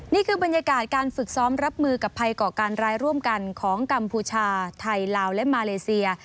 นี่คือบรรยากาศการฝึกซ้อมรับมือกับภัยก่อการร้ายร่วมกันของกัมพูชาไทยลาวและมาเลเซีย